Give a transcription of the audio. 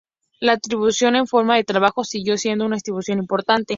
La tributación en forma de trabajo siguió siendo una institución importante.